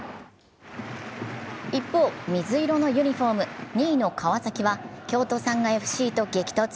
一方、水色のユニフォーム、２位の川崎は、京都サンガＦＣと激突。